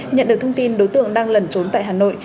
nhận được thông tin đối tượng đang lẩn trốn tại hà nội